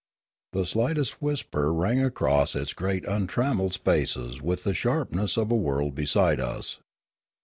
The slightest whisper rang across its great untram melled spaces with the sharpness of a word beside us.